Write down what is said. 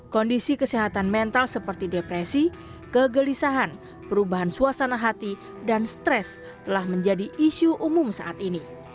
kondisi kesehatan mental seperti depresi kegelisahan perubahan suasana hati dan stres telah menjadi isu umum saat ini